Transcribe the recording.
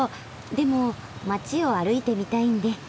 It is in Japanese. でも街を歩いてみたいんで。